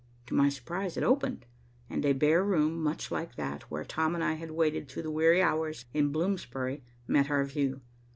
To my surprise it opened, and a bare room much like that where Tom and I had waited through the weary hours in Bloomsbury met our view.